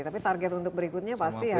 tapi target untuk berikutnya pasti ya